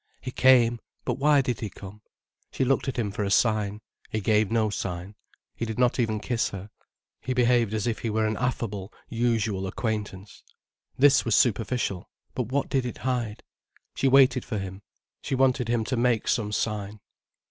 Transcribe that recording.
He came. But why did he come? She looked at him for a sign. He gave no sign. He did not even kiss her. He behaved as if he were an affable, usual acquaintance. This was superficial, but what did it hide? She waited for him, she wanted him to make some sign.